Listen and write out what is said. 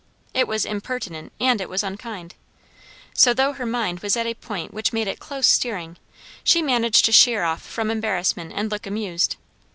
It was impertinent, and it was unkind. So, though her mind was at a point which made it close steering, she managed to sheer off from embarrassment and look amused.